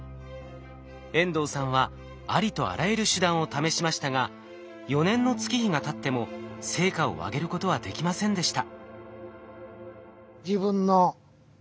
遠藤さんはありとあらゆる手段を試しましたが４年の月日がたっても成果を上げることはできませんでした。